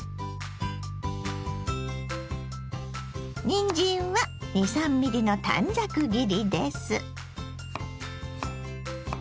にんじんは２３ｍｍの短冊切りです。